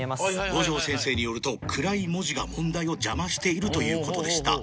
五条先生によると暗い文字が問題を邪魔しているということでした。